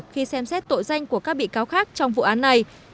khi xem xét tội danh của các bị cáo khác trong vụ án này